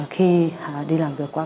khi đi làm việc qua các kênh chính thức này